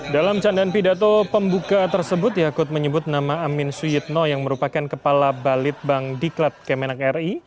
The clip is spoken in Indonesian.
dalam candaan pidato pembuka tersebut yakut menyebut nama amin suyitno yang merupakan kepala balitbang diklat kemenang ri